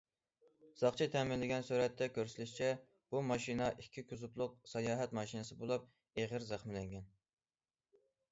ساقچى تەمىنلىگەن سۈرەتتە كۆرسىتىلىشىچە، بۇ ماشىنا ئىككى كوزۇپلۇق ساياھەت ماشىنىسى بولۇپ، ئېغىر زەخىملەنگەن.